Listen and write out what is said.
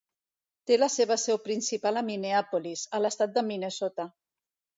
Té la seva seu principal a Minneapolis, a l'estat de Minnesota.